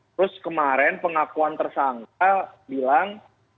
terus kemarin pengakuan tersangka bilang